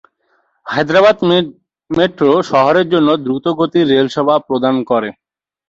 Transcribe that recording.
Hyderabad metro শহরের জন্য দ্রুতগতির রেল পরিষেবা প্রদান করে।